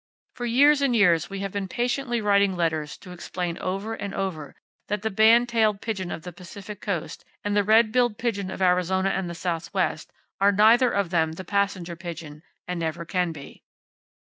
For years and years we have been patiently writing letters to explain over and over that the band tailed pigeon of the Pacific coast, and the red billed pigeon of Arizona and the southwest are neither of them the passenger pigeon, and never can be.